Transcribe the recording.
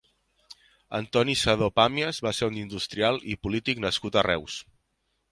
Antoni Sedó Pàmies va ser un industrial i polític nascut a Reus.